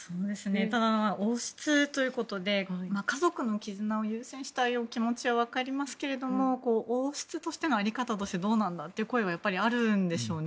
ただ、王室ということで家族の絆を優先したい気持ちは分かりますけれども王室としての在り方としてどうなんだというのもあるんでしょうね。